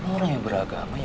emang orang yang beragama ya